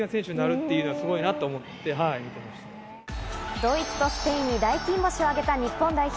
ドイツとスペインに大金星を挙げた日本代表。